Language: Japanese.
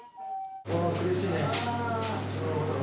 苦しいね。